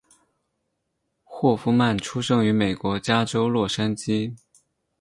霍夫曼出生于美国加州洛杉矶。